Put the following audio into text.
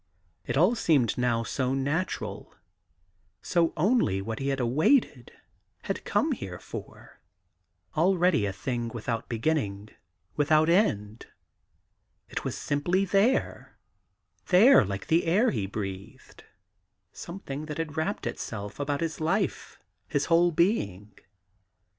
It all seemed now so natural, so only what he had awaited, had come here for. Already a 37 THE GARDEN GOD thing without beginning, without end! It was simply there — there like the air he breathed — some thing that had wrapped itself about his life, his whole being.